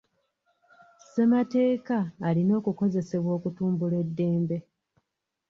Ssemateeka alina okukozesebwa okutumbula eddembe.